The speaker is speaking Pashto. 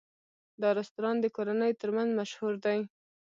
دا رستورانت د کورنیو تر منځ مشهور دی.